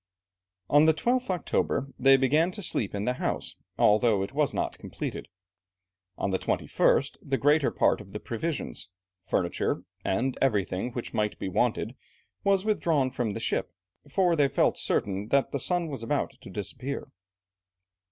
On the 12th October, they began to sleep in the house, although it was not completed. On the 21st, the greater part of the provisions, furniture, and everything which might be wanted was withdrawn from the ship, for they felt certain that the sun was about to disappear.